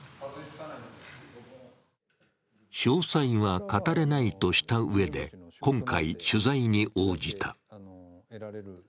詳細は語れないとしたうえで今回、取材に応じた。